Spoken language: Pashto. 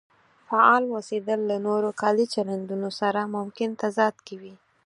فعال اوسېدل له نورو کاري چلندونو سره ممکن تضاد کې وي.